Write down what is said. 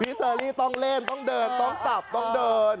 เชอรี่ต้องเล่นต้องเดินต้องสับต้องเดิน